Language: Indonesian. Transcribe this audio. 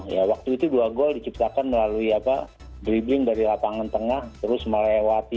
ya waktu itu dua gol diciptakan melalui apa dribbling dari lapangan tengah terus melewati